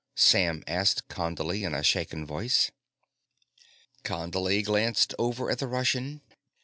Sam asked Condley in a shaken voice. Condley glanced over at the Russian.